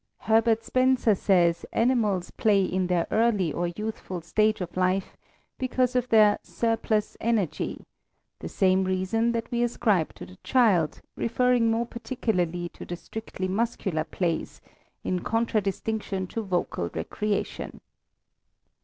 Herbert Spencer says animals play in their early or youthful stage of life because of their "surplus energy," the same reason that we ascribe to the child, referring more particularly to the strictly muscular plays, in contra distinction to vocal recreation.